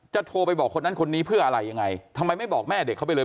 โทรไปบอกคนนั้นคนนี้เพื่ออะไรยังไงทำไมไม่บอกแม่เด็กเข้าไปเลย